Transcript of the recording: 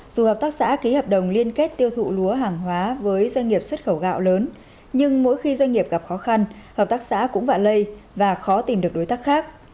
dù hợp tác xã ký hợp đồng liên kết tiêu thụ lúa hàng hóa với doanh nghiệp xuất khẩu gạo lớn nhưng mỗi khi doanh nghiệp gặp khó khăn hợp tác xã cũng vạ lây và khó tìm được đối tác khác